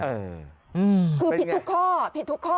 เออคือผิดทุกข้อผิดทุกข้อ